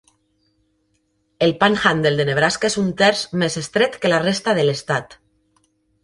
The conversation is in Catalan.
El Panhandle de Nebraska és un terç més estret que la resta de l'Estat.